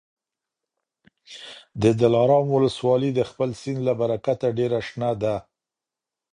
د دلارام ولسوالي د خپل سیند له برکته ډېره شنه ده.